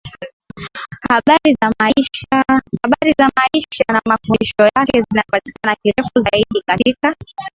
Habari za maisha na mafundisho yake zinapatikana kirefu zaidi katika